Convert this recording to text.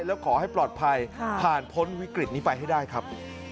แล้วขอให้ปลอดภัยผ่านพ้นวิกฤตนี้ไปให้ได้ครับ